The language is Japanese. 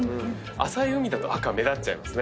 浅い海だと赤目立っちゃいます。